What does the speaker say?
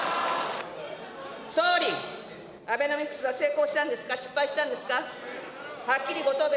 総理、アベノミクスは成功したんですか、失敗したんですか。